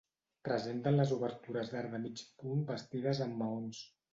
Presenten les obertures d'arc de mig punt bastides amb maons.